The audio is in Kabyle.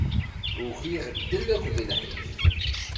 Ugiɣ ddel akked lḥif.